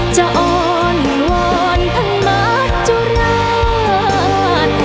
จะอ่อนหวอนทันมาจุราช